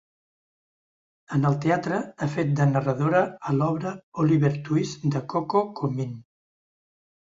En el teatre ha fet de narradora a l'obra Oliver Twist de Coco Comin.